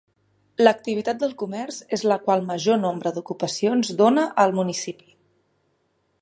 L'activitat del comerç és la qual major nombre d'ocupacions dóna al municipi.